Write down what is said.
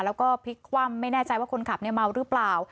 แล้วก็พลิกคว่ำไม่แน่ใจว่าคนขับเมาหรือเปล่า